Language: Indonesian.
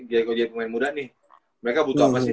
gaya gaya pemain muda nih mereka butuh apa sih